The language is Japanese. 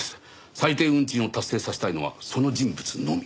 最低運賃を達成させたいのはその人物のみ。